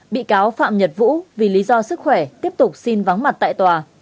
bị cáo phạm nhật vũ vì lý do sức khỏe tiếp tục xin vắng mặt tại tòa